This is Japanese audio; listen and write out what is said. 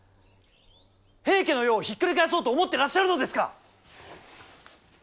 平家の世をひっくり返そうと思ってらっしゃるのですか！